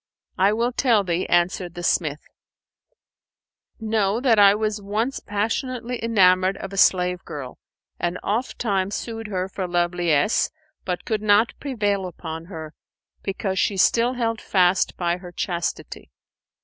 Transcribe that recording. "I will tell thee," answered the smith, "Know that I was once passionately enamoured of a slave girl and ofttimes sued her for love liesse, but could not prevail upon her, because she still held fast by her chastity.